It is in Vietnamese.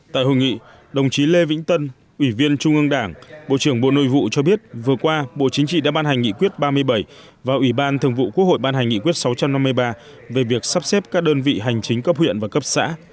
tại hội nghị đồng chí lê vĩnh tân ủy viên trung ương đảng bộ trưởng bộ nội vụ cho biết vừa qua bộ chính trị đã ban hành nghị quyết ba mươi bảy và ủy ban thường vụ quốc hội ban hành nghị quyết sáu trăm năm mươi ba về việc sắp xếp các đơn vị hành chính cấp huyện và cấp xã